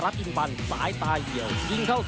สวัสดีครับ